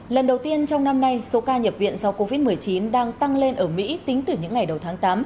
lần đầu tiên trong năm nay số ca nhập viện do covid một mươi chín đang tăng lên ở mỹ tính từ những ngày đầu tháng tám